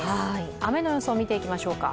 雨の予想を見ていきましょうか。